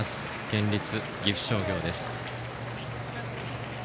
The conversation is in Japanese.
県立岐阜商業です。